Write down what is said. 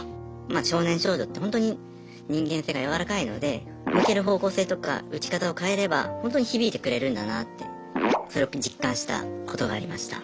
まあ少年少女ってほんとに人間性が柔らかいので向ける方向性とか打ち方を変えればほんとに響いてくれるんだなってそれを実感したことがありました。